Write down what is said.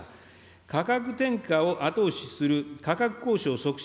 価格転嫁を後押しする価格交渉促進